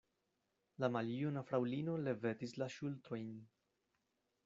La maljuna fraŭlino levetis la ŝultrojn.